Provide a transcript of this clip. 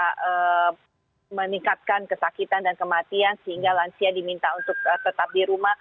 bisa meningkatkan kesakitan dan kematian sehingga lansia diminta untuk tetap di rumah